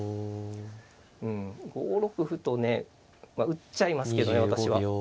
うん５六歩とね打っちゃいますけどね私は。